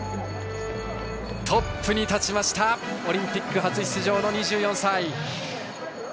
トップに立ちましたオリンピック初出場の２４歳。